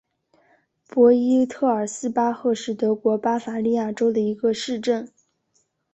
博伊特尔斯巴赫是德国巴伐利亚州的一个市镇。